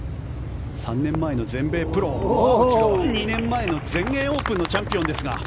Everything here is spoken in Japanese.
３年前の全米プロ２年前の全英オープンのチャンピオンですが。